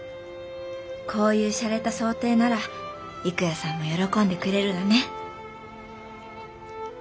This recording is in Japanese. こういうしゃれた装丁なら郁弥さんも喜んでくれるらね。